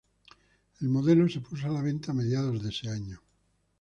El modelo se puso a la venta a mediados de ese año.